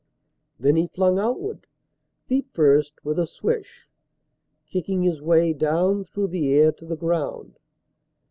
Then he flung outward, feet first, with a swish, Kicking his way down through the air to the ground.